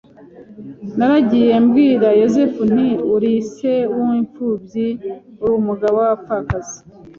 Naragiye mbwira Yesu nti uri se w’imfumbyi uri n’umugabo w’abapfakazi